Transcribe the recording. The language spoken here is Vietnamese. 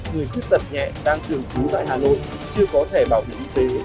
người khúc tật nhẹ đang tường trú tại hà nội chưa có thẻ bảo hiểm y tế